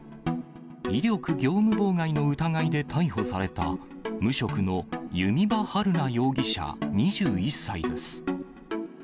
威力業務妨害の疑いで逮捕された無職の弓場晴菜容疑者２１歳です。